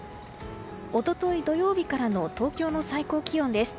一昨日、土曜日からの東京の最高気温です。